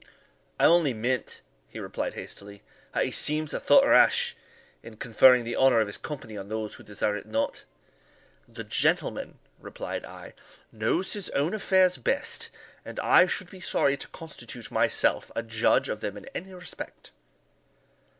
"I only meant," he replied hastily, "that he seems a thought rash in conferring the honour of his company on those who desire it not." "The gentleman," replied I, "knows his own affairs best, and I should be sorry to constitute myself a judge of them in any respect." Mr.